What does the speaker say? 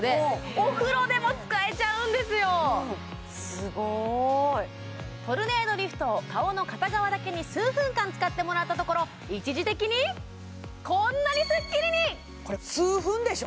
すごいトルネードリフトを顔の片側だけに数分間使ってもらったところ一時的にこんなにスッキリにこれ数分でしょ